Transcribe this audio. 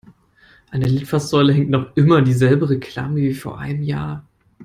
An der Litfaßsäule hängt noch immer dieselbe Reklame wie vor einem Jahr.